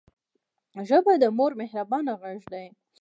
ژبه د مور مهربانه غږ دی